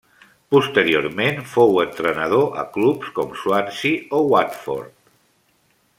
Posteriorment fou entrenador a clubs com Swansea o Watford.